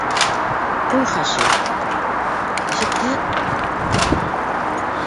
Ҡуй, Хашим ишетһә...